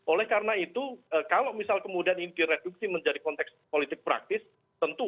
oleh karena itu kalau misal kemudian ini direduksi menjadi konteks politik praktis tentu